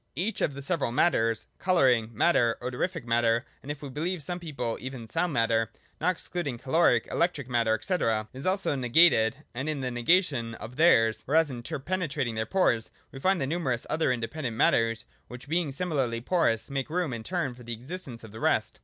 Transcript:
Each of the several mat ters (colouring matter, odorific matter, and if we beheve some people, even sound matter,— not excluding caloric, electric matter, &c.) is also negated : and in this nega tion of theirs, or as interpenetrating their pores, we find the numerous other independent matters, which, being similarly porous, make room in turn for the existence of the rest.